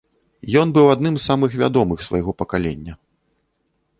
Ён быў адным з самых вядомых свайго пакалення.